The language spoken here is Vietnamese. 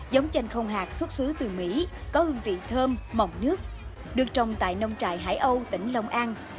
giống chanh không hạt xuất xứ từ mỹ có hương vị thơm mỏng nước được trồng tại nông trại hải âu tỉnh long an